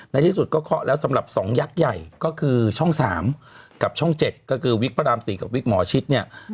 ในที่สุดก็เคาะแล้วสำหรับ๒ยักษ์ใหญ่ก็คือช่อง๓กับช่อง๗ก็คือวิกพระราม๔กับวิกหมอชิตเนี่ย